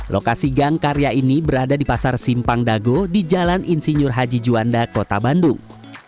lokasi gang karya ini berada di pasar simpang dago di jalan insinyur haji juanda kota bandung